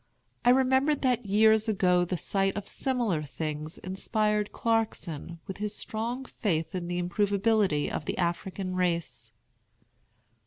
I remembered that years ago the sight of similar things inspired Clarkson with his strong faith in the improvability of the African race.